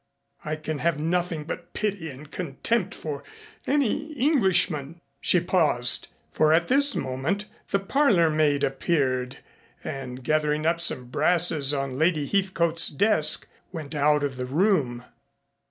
I can have nothing but pity and contempt for any Englishman " She paused, for at this moment, the parlor maid appeared and, gathering up some brasses on Lady Heathcote's desk, went out of the room.